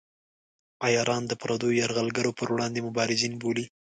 عیاران د پردیو یرغلګرو پر وړاندې مبارزین بولي.